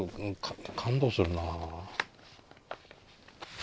感動するな。